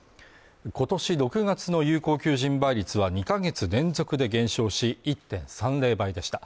今年６月の有効求人倍率は２か月連続で減少し１．３０倍でした